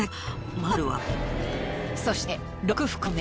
そして６袋目。